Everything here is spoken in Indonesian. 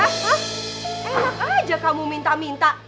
hah enak aja kamu minta minta